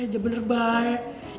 dia bener baik